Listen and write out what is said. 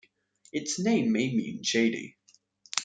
Its name may mean "shady".